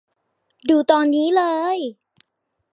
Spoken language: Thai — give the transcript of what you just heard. ดูตอนนี้เลย